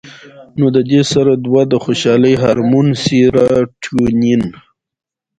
نو د دې سره دوه د خوشالۍ هارمون سېراټونین